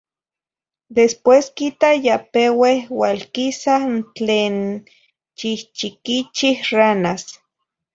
Después quita ya peueh ualquisah n tleh chihchiquichih ranas.